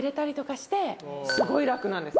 スゴい楽なんです。